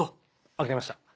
分かりました。